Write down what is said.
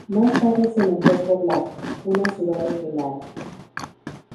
Más tarde se nombró por Lahti, una ciudad de Finlandia.